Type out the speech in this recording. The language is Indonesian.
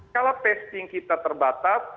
kalau testing kita terbatas